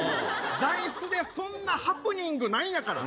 座いすでそんなハプニングないんやから。